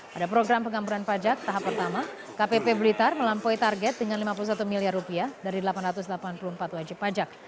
pada program pengampunan pajak tahap pertama kpp blitar melampaui target dengan rp lima puluh satu miliar rupiah dari delapan ratus delapan puluh empat wajib pajak